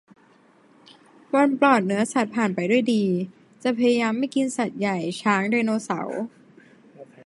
วันปลอดเนื้อสัตว์ผ่านไปด้วยดี จะพยายามไม่กินสัตว์ใหญ่ช้าง ไดโนเสาร์